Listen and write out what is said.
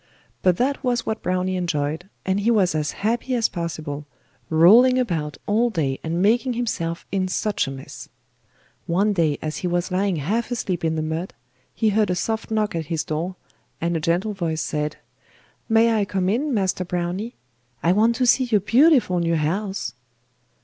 But that was what Browny enjoyed, and he was as happy as possible, rolling about all day and making himself in such a mess. One day, as he was lying half asleep in the mud, he heard a soft knock at his door, and a gentle voice said: 'May I come in, Master Browny? I want to see your beautiful new house.